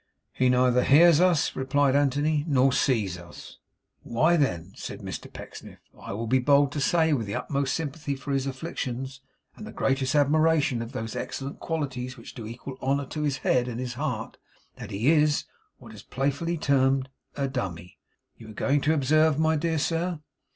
'He neither hears us,' replied Anthony, 'nor sees us.' 'Why, then,' said Mr Pecksniff, 'I will be bold to say, with the utmost sympathy for his afflictions, and the greatest admiration of those excellent qualities which do equal honour to his head and to his heart, that he is what is playfully termed a dummy. You were going to observe, my dear sir